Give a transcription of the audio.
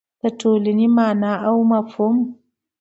د ټولنې مانا او مفهوم